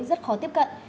rất khó tiếp cận